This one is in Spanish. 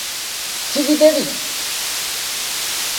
Chibi Devi!